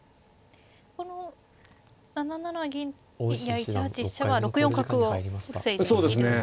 この７七銀や１八飛車は６四角を防いでいるんですね。